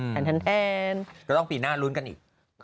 แทนก็ต้องปีหน้าลุ้นกันอีก